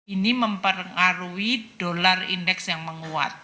ini mempengaruhi dolar indeks yang menguat